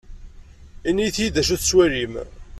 Init-iyi-d d acu i tettwalim.